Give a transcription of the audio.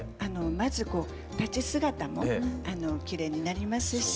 まずこう立ち姿もきれいになりますし。